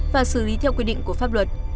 và xử lý theo quy định của pháp luật